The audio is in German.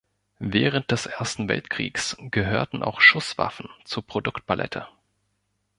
Während des Ersten Weltkriegs gehörten auch Schusswaffen zur Produktpalette.